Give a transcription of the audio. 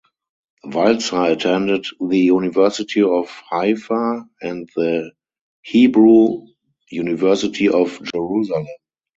Walzer attended the University of Haifa and the Hebrew University of Jerusalem.